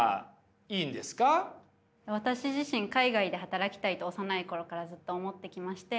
私自身海外で働きたいと幼い頃からずっと思ってきまして。